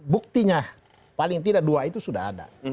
buktinya paling tidak dua itu sudah ada